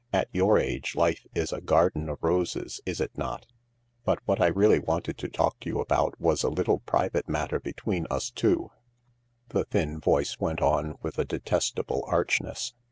At your age life is a garden of roses, is it not ? But what I really wanted to talk to you about was a little private matter between us two," the thin voice went on with a detestable archness.